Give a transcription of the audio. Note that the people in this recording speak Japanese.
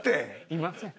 いません。